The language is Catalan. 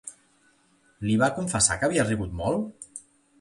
Li va confessar que havia rigut molt?